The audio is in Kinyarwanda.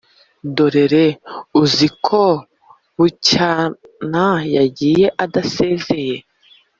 dorere uziko bucyana yagiye adasezeye